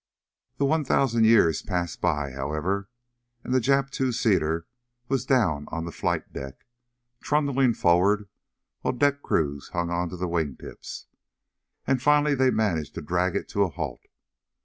The one thousand years passed by, however, and the Jap two seater was down on the flight deck, trundling forward while deck crews hung onto the wingtips. And finally they managed to drag it to a halt.